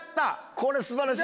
これ素晴らしい！